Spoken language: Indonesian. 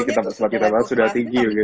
yang levelnya sudah tinggi